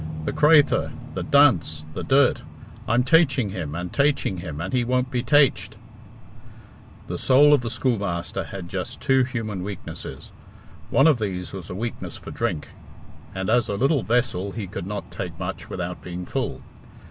"The craythur! The dunce! The durt! I'm taiching him, and taiching him, and he won't be taicht." The soul of the schoolmaster had just two human weaknesses. One of these was a weakness for drink, and as a little vessel he could not take much without being full.